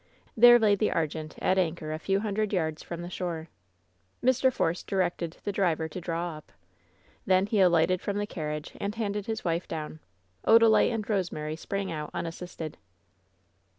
There lay the Arqente at anchor a few hundred yards from the shore. Mr. Force directed the driver to draw up. Then he alighted from the carriage and handed his wife down; Odalite and Rosemary sprang out unassisted.